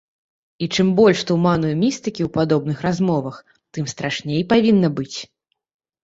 І чым больш туману і містыкі ў падобных размовах, тым страшней павінна быць.